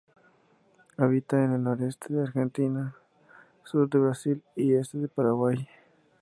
Habita en el noreste de Argentina, sur de Brasil y este de Paraguay.